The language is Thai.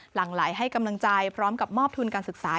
หลังไหลให้กำลังใจพร้อมกับมอบทุนการศึกษา